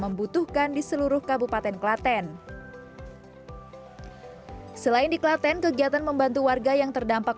membutuhkan di seluruh kabupaten klaten selain di klaten kegiatan membantu warga yang terdampak